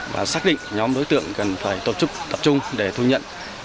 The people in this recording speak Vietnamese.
và xác định nhóm đối tượng cần phải tổ chức tập trung để thu nhận